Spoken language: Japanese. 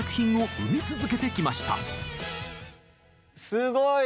すごい！